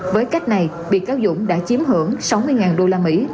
với cách này bị cáo dũng đã chiếm hưởng sáu mươi đô la mỹ